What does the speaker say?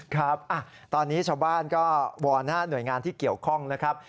ครับตอนนี้ชาวบ้านก็วอนหน่วยงานที่เกี่ยวข้องนะครับ